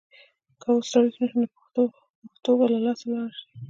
که اوس راویښ نه شو نو پښتو به له لاسه لاړه شي.